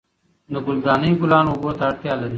د ګل دانۍ ګلان اوبو ته اړتیا لري.